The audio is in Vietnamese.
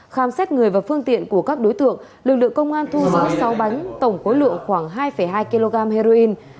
khám xét người và phương tiện của các đối tượng lực lượng công an thu giữ sáu bánh tổng khối lượng khoảng hai hai kg heroin